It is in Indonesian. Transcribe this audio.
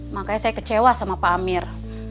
makanya saya kecewa sama pak amir